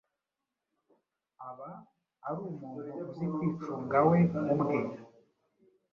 aba ari umuntu uzi kwicunga we ubwe